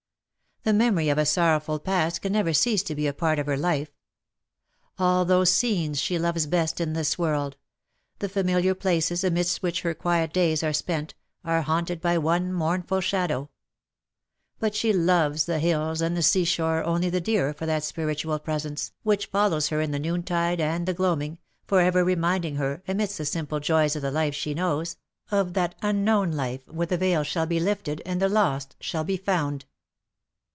The memory of a sorrowful past can never cease to be a part of her life. All those scenes she loves best in this world, the familiar places amidst which her quiet days are spent, are haunted by one mournful shadow; but TEARS AND TREASONS. 317 she loves the hills and the sea shore only the dearer for that spiritual presence, which follows her in the noontide and the gloaming, for ever reminding her, amidst the simple joys of the life she knows, of that unknown life whei*e the veil shall be lifted, and the lost shall be found.